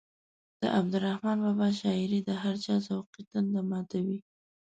د عبدالرحمان بابا شاعري د هر چا ذوقي تنده ماتوي.